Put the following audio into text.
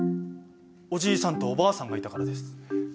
おじいさんとおばあさんがいたからです。